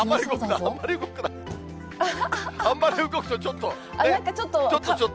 あんまり動くとちょっと。